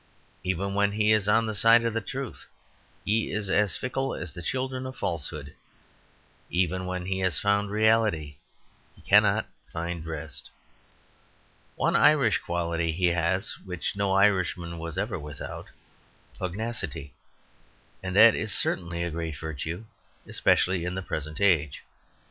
Even when he is on the side of the truth he is as fickle as the children of falsehood. Even when he has found reality he cannot find rest. One Irish quality he has which no Irishman was ever without pugnacity; and that is certainly a great virtue, especially in the present age.